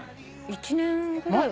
１年ぐらいは。